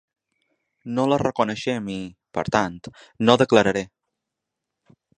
No la reconeixem i, per tant, no declararé.